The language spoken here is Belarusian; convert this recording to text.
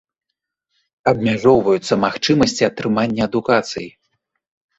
Абмяжоўваюцца магчымасці атрымання адукацыі.